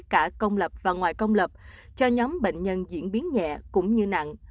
cả công lập và ngoài công lập cho nhóm bệnh nhân diễn biến nhẹ cũng như nặng